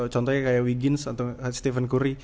contohnya kayak wigiens atau stephen curry